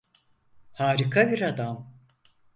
Harika bir adam.